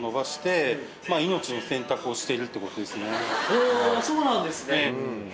おそうなんですね。